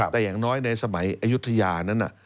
แต่อย่างน้อยในสมัยอายุทยานั้น